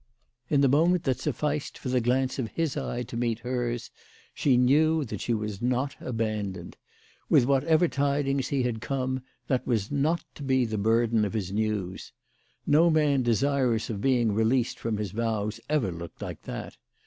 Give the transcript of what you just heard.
In the moment that sufficed for the glance of his eye to meet hers she knew that she was not abandoned. With whatever tidings he had come that was not to be the burden of his news. No man desirous of being released from his vows ever looked like that.